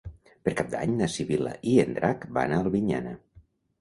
Per Cap d'Any na Sibil·la i en Drac van a Albinyana.